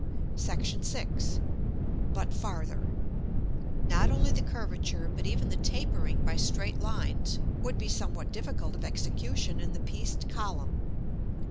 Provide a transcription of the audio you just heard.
§ VI. But farther. Not only the curvature, but even the tapering by straight lines, would be somewhat difficult of execution in the pieced column.